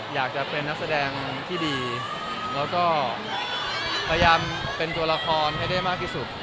อยากจะเป็นนักแสดงที่ดีแล้วก็พยายามเป็นตัวละครให้ได้มากที่สุด